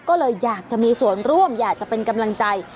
ก็เลยอยากจะมีส่วนร่วมอยากจะเป็นกำลังใจ